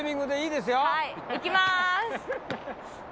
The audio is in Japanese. いきまーす。